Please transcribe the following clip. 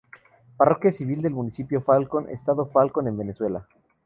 Parroquia civil del municipio Falcón, estado Falcón en Venezuela.